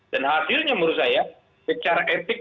dan hasilnya menurut saya secara etik